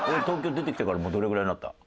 東京出てきてからもうどれぐらいになった？